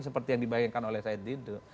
seperti yang dibayangkan oleh said didu